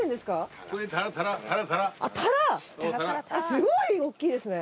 すごいおっきいですね。